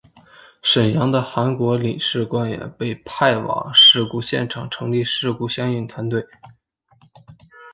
沈阳的韩国领事官员被派往事故现场成立事故相应团队。